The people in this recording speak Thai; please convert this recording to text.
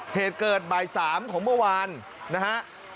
เหตุเกิดบ่าย๓ของเมื่อวานนะฮะ